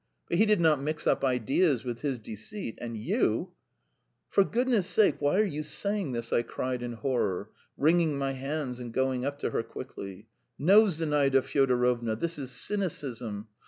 But he did not mix up ideas with his deceit, and you ..." "For goodness' sake, why are you saying this?" I cried in horror, wringing my hands and going up to her quickly. "No, Zinaida Fyodorovna, this is cynicism.